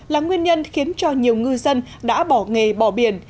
là nguyên nhân khiến cho nhiều ngư dân đã bỏ nghề bỏ biển